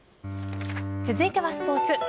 続いてはスポーツ。